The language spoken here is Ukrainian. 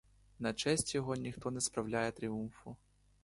На честь його ніхто не справляє тріумфу.